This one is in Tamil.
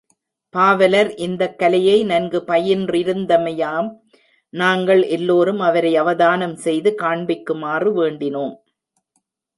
பாவலர் இந்தக்கலையை நன்கு பயின்றிருந்தமையாம் நாங்கள் எல்லோரும் அவரை அவதானம் செய்து காண்பிக்குமாறு வேண்டினோம்.